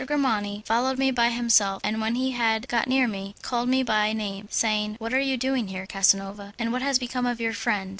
Grimani followed me by himself, and when he had got near me, called me by name, saying, "What are you doing here, Casanova, and what has become of your friend?"